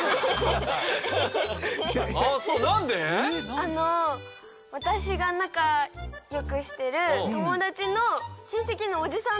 あの私が仲よくしてる友達の親戚のおじさん？